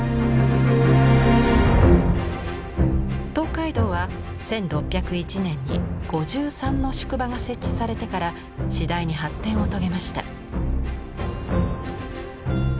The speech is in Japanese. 東海道は１６０１年に五十三の宿場が設置されてから次第に発展を遂げました。